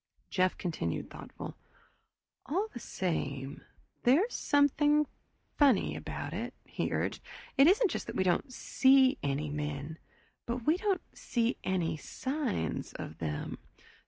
Jeff continued thoughtful. "All the same, there's something funny about it," he urged. "It isn't just that we don't see any men but we don't see any signs of them.